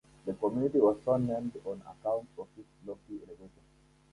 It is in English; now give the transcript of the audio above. The community was so named on account of its lofty elevation.